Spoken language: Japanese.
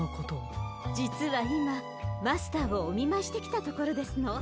じつはいまマスターをおみまいしてきたところですの。